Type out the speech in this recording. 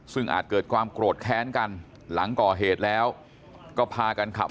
ซึ่งอาจเกิดความโกรธแค้นกันหลังก่อเหตุแล้วก็พากันขับ